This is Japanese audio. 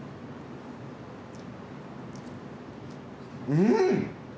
うん！